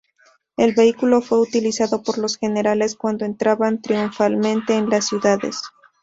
El vehículo fue utilizado por los generales cuando entraban triunfalmente en las ciudades.